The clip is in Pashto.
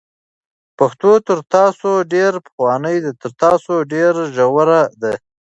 پښتو تر تاسو ډېره پخوانۍ ده، تر تاسو ډېره ژوره ده،